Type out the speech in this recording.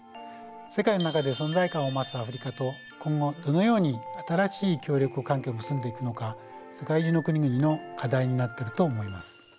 世界の中で存在感を増すアフリカと今後どのように新しい協力関係を結んでいくのか世界中の国々の課題になってると思います。